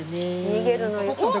逃げるのよおっ！